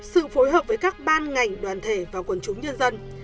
sự phối hợp với các ban ngành đoàn thể và quần chúng nhân dân